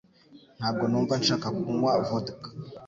Ntabwo numva nshaka kunywa vodka